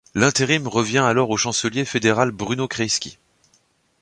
L'intérim revient alors au chancelier fédéral Bruno Kreisky.